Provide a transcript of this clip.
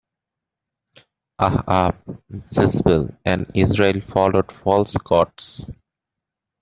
Ahab, Jezebel, and Israel followed false gods.